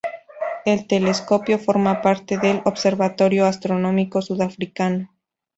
El telescopio forma parte del Observatorio Astronómico Sudafricano.